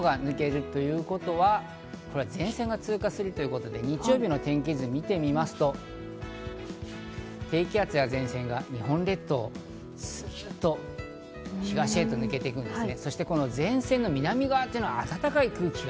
この帯状の雲が抜けるということは、前線が通過するということで日曜日の天気図を見てみますと、低気圧や前線が日本列島をスッと東へ抜けるんですね。